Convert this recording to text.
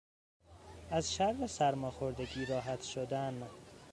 از شر سرماخوردگی راحت شدن